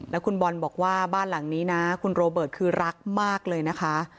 แล้วคุณบอลบอกว่าบ้านหลังนี้นะคุณโรเบิร์ตคือรักมากเลยนะคะ